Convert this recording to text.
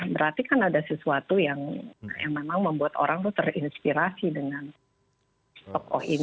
berarti kan ada sesuatu yang memang membuat orang itu terinspirasi dengan tokoh ini